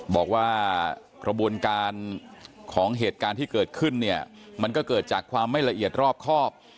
บอกว่ากระบวนการของเหตุการณ์ที่เกิดขึ้นเนี่ยมันก็เกิดจากความไม่ละเอียดรอบครอบ